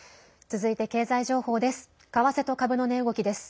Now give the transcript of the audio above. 続いて経済情報です。